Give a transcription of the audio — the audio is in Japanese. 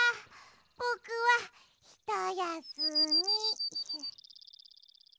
ぼくはひとやすみ。